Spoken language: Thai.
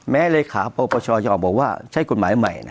แม้เลขาประวัติชาติบอกว่าใช้กฎหมายใหม่